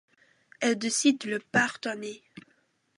Elle décide de le pardonner.